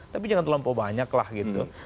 tapi jangan terlampau banyak lah gitu